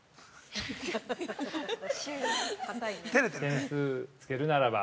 ◆点数をつけるならば？